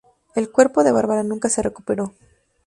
El cuerpo de Bárbara nunca se recuperó".